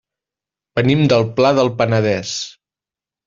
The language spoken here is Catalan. Venim del Pla del Penedès.